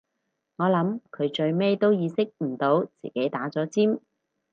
我諗佢到最尾都意識唔到自己打咗尖